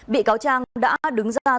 bị cáo trang đã đứng ra